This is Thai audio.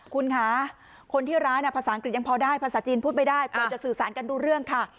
คุณคะคนที่ร้านภาษาอังกฤษยังพอได้ภาษาจีนพูดไม่ได้กลัวจะสื่อสารกันรู้เรื่องค่ะ